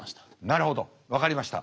なるほど分かりました。